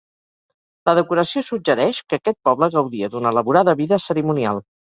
La decoració suggereix que aquest poble gaudia d'una elaborada vida cerimonial.